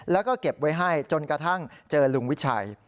แล้วก็เก็บไว้ให้จนกระทั่งเจอลุงวิชัย